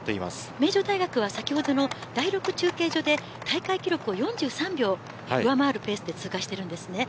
名城は先ほどの第６中継所で大会記録を４３秒上回るペースで通過しています。